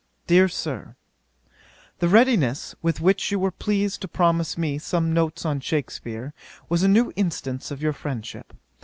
'DEAR SIR, 'The readiness with which you were pleased to promise me some notes on Shakspeare, was a new instance of your friendship.